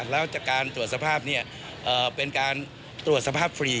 แล้วจากการตรวจสภาพเป็นการตรวจสภาพฟรี